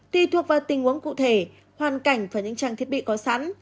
tùy thuộc vào tình huống cụ thể hoàn cảnh và những trang thiết bị có sẵn